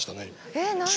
えっ何何？